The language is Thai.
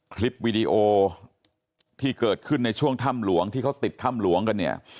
คลิปวีดีโอที่เกิดขึ้นในช่วงถ้ำหลวงที่เขาติดถ้ำหลวงกันเนี่ย